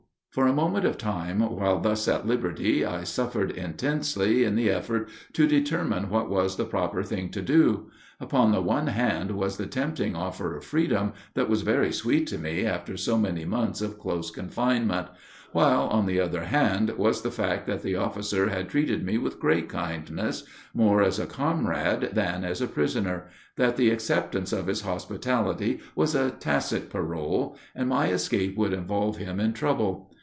For a moment of time while thus at liberty I suffered intensely in the effort to determine what was the proper thing to do. Upon the one hand was the tempting offer of freedom, that was very sweet to me after so many months of close confinement; while, on the other hand was the fact that the officer had treated me with great kindness, more as a comrade than as a prisoner, that the acceptance of his hospitality was a tacit parole and my escape would involve him in trouble.